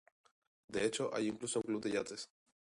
De hecho, hay incluso un club de yates.